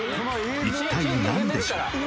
一体何でしょう？